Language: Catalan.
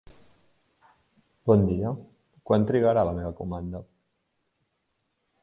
Bon dia, quant trigarà la meva comanda?